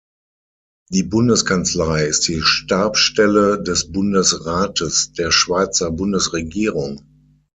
Die Bundeskanzlei ist die Stabsstelle des Bundesrates, der Schweizer Bundesregierung.